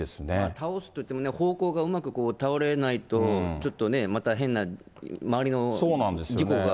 倒すといってもね、方向がうまく倒れないと、ちょっとね、また変な周りの事故が。